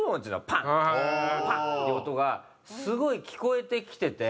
パン！っていう音がすごい聞こえてきてて。